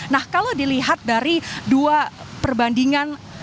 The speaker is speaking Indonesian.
nah kalau dilihat dari dua perbandingan